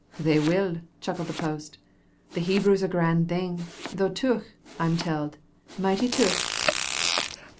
"They will," chuckled the post. "The Hebrew's a grand thing, though teuch, I'm telled, michty teuch."